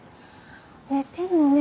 寝てるのね。